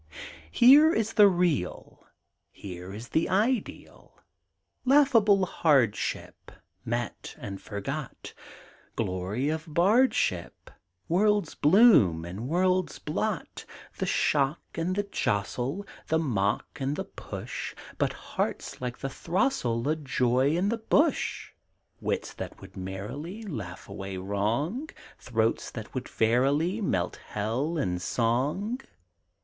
Here is the real, Here the ideal; Laughable hardship Met and forgot, Glory of bardship World's bloom and world's blot; The shock and the jostle, The mock and the push, But hearts like the throstle A joy in the bush; Wits that would merrily Laugh away wrong, Throats that would verily Melt Hell in Song.